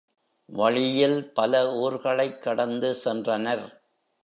வழியில் பல ஊர்களைக் கடந்து சென்றனர்.